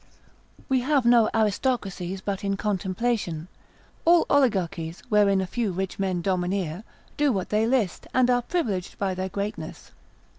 We have no aristocracies but in contemplation, all oligarchies, wherein a few rich men domineer, do what they list, and are privileged by their greatness.